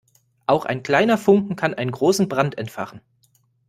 Auch ein kleiner Funken kann einen großen Brand entfachen.